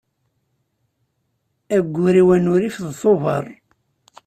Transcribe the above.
Aggur-iw anurif d Tubeṛ.